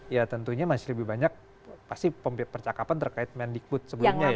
ya tentunya masih lebih banyak pasti percakapan terkait mendikbud sebelumnya ya